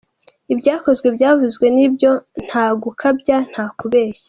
Ibyakozwe byavuzwe, nibyo nta gukabya, nta kubeshya.